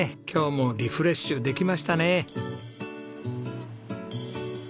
今日もリフレッシュできましたね。